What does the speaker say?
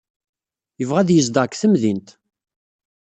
Yebɣa ad yezdeɣ deg temdint.